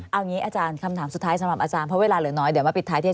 เอาอย่างงี้อาจารย์คำถามสุดท้ายสำหรับอาจารย์